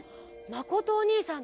まことおにいさん！